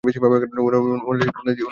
ওনার যেন কাজে কোনো সমস্যা না হয়।